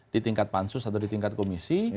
di tingkat pansus atau di tingkat komisi